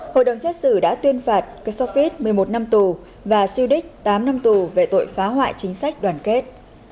hội đồng xét xử đã tuyên phạt kersofit một mươi một năm tù và sudik tám năm tù về tội phá hoại chính sách đoàn kết